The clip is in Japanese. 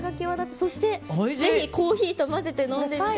そしてぜひコーヒーと混ぜて飲んでみてください。